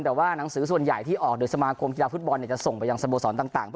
แต่ว่าหนังสือส่วนใหญ่ที่ออกโดยสมาคมกีฬาฟุตบอลจะส่งไปยังสโมสรต่าง